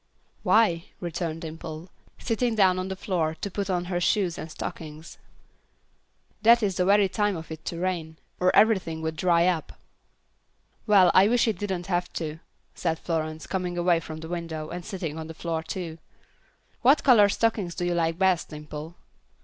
"Why," returned Dimple, sitting down on the floor to put on her shoes and stockings, "that is the very time for it to rain, or everything would dry up." "Well, I wish it didn't have to," said Florence, coming away from the window, and sitting on the floor too. "What color stockings do you like best, Dimple?"